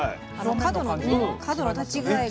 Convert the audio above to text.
角の角の立ち具合が。